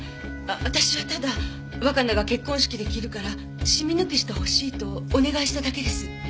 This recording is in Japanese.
私はただ若菜が結婚式で着るからシミ抜きしてほしいとお願いしただけです。